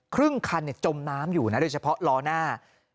ครึ่งคันจมน้ำอยู่นะโดยเฉพาะล้อหน้า